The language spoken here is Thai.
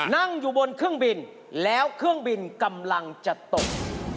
นั่งอยู่บนเครื่องบินแล้วเครื่องบินกำลังจะตก